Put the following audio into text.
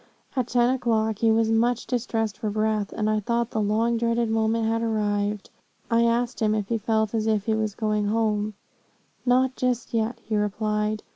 At ten o'clock, he was much distressed for breath, and I thought the long dreaded moment had arrived. I asked him, if he felt as if he was going home 'not just yet,' he replied.